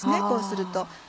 こうすると。